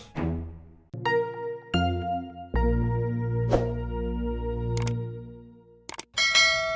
tidak ada yang bisa dipercaya